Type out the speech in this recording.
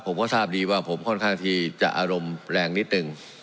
ผมก็ทราบดีว่าผมค่อนข้างที่จะอารมณ์แรงนิดนึง